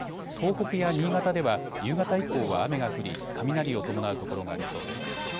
東北や新潟では夕方以降は雨が降り、雷を伴う所がありそうです。